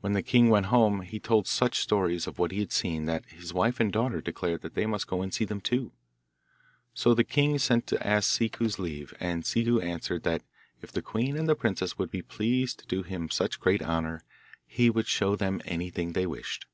When the king went home he told such stories of what he had seen that his wife and daughter declared that they must go and see them too. So the king sent to ask Ciccu's leave, and Ciccu answered that if the queen and the princess would be pleased to do him such great honour he would show them anything they wished.